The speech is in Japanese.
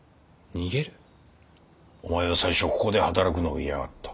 お前は最初ここで働くのを嫌がった。